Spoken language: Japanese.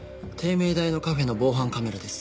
名大のカフェの防犯カメラです。